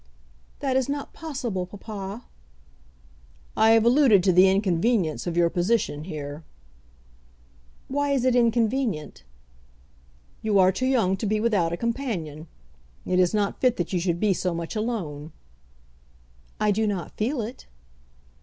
"That is not possible, papa." "I have alluded to the inconvenience of your position here." "Why is it inconvenient?" "You are too young to be without a companion. It is not fit that you should be so much alone." "I do not feel it."